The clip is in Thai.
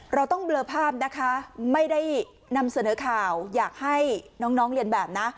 เราต้องเบลอภาพนะคะไม่ได้นำเสนอข่าวอยากให้น้องเรียนแบบนะ